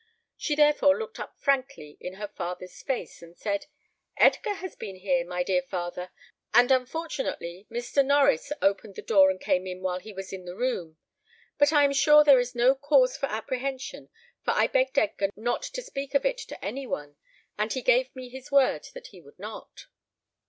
She therefore looked up frankly in her father's face, and said, "Edgar has been here, my dear father, and unfortunately Mr. Norries opened the door and came in while he was in the room; but I am sure there is no cause for apprehension, for I begged Edgar not to speak of it to any one, and he gave me his word that he would not."